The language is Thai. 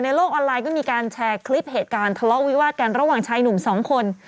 โลกออนไลน์ก็มีการแชร์คลิปเหตุการณ์ทะเลาะวิวาดกันระหว่างชายหนุ่มสองคน